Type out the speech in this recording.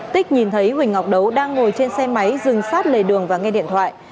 tích nhìn thấy huỳnh ngọc đấu đang ngồi trên xe máy dừng sát lề đường và nghe điện thoại